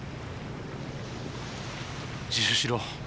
自首しろ。